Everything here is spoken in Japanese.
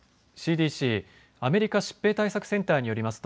ＣＤＣ・アメリカ疾病対策センターによります